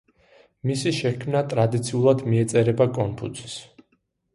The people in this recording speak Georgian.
მისი შექმნა ტრადიციულად მიეწერება კონფუცის.